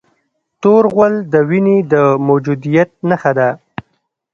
تور غول د وینې د موجودیت نښه ده.